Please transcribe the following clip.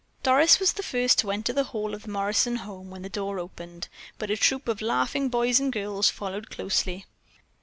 Doris was the first to enter the hall of the Morrison home when the door opened, but a troop of laughing boys and girls followed closely.